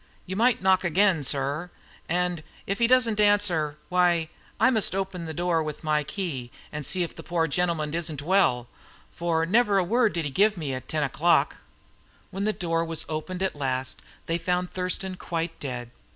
You might knock again, sir; and if so as he doesn't answer, why, I must open the door with my key, and see if the poor gentleman isn't well, for never a word did he give me at ten o'clock." When the door was opened at last, they found Thurston quite dead.